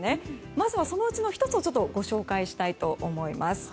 まずはそのうちの１つをご紹介したいと思います。